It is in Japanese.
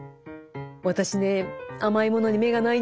私ね甘いものに目がないんです。